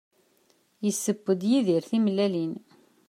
Yesseww-d Yidir timellalin.